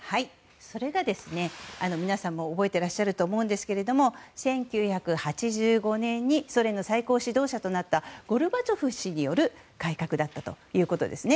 それが、皆さんも覚えてらっしゃると思うんですが１９８５年にソ連の最高指導者となったゴルバチョフ氏による改革だったということです。